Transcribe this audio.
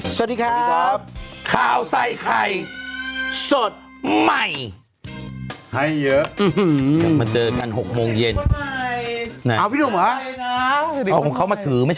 สวัสดีครับ